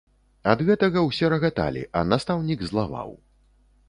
Ад гэтага ўсе рагаталі, а настаўнік злаваў.